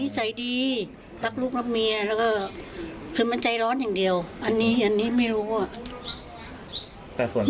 นิสัยดีรักลูกและเมียคือมันใจร้อนอย่างเดียวอันนี้อันนี้ไม่รู้อ่ะ